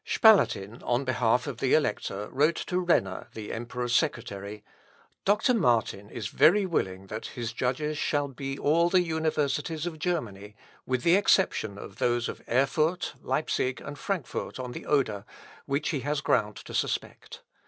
Spalatin, on the part of the Elector, wrote to Renner, the Emperor's secretary, "Dr. Martin is very willing that his judges shall be all the universities of Germany, with the exception of those of Erfurt, Leipsic, and Frankfort on the Oder, which he has ground to suspect.